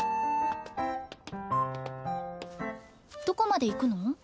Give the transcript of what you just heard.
どこまで行くの？